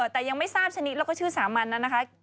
แต่ยังไม่ทราบชนิดแล้วก็ชื่อสามัญนั้นนะคะ